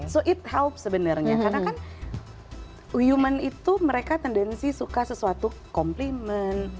so it house sebenarnya karena kan human itu mereka tendensi suka sesuatu complement